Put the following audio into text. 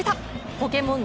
「ポケモン」